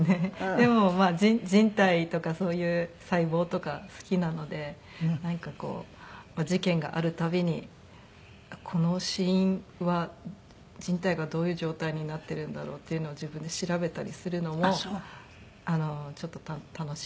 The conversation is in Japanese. でも人体とかそういう細胞とか好きなのでなんかこう事件がある度にこの死因は人体がどういう状態になっているんだろうっていうのを自分で調べたりするのもちょっと楽しみ。